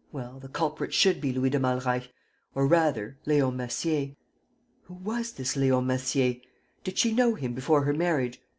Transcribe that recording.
... Well, the culprit should be Louis de Malreich, or rather, Leon Massier. Who was this Leon Massier? Did she know him before her marriage?